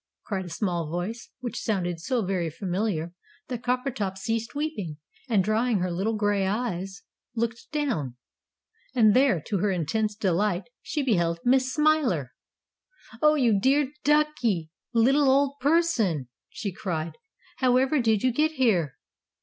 cried a small voice, which sounded so very familiar that Coppertop ceased weeping, and, drying her little grey eyes, looked down. And there, to her intense delight, she beheld Miss Smiler. "Oh, you dear, duckie, little old person!" she cried. "However did you get here?"